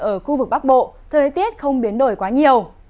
ở khu vực bắc bộ thời tiết không biến đổi quá nhiều